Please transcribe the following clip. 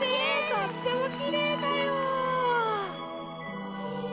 とってもきれいだよ。